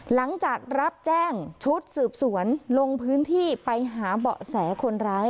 หลังจากรับแจ้งชุดสืบสวนลงพื้นที่ไปหาเบาะแสคนร้าย